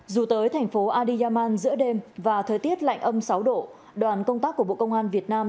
dù tới thành phố adiyaman giữa đêm và thời tiết lạnh âm sáu độ đoàn công tác của bộ công an việt nam